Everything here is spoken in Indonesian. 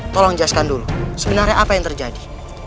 tolong jelaskan dulu sebenarnya apa yang terjadi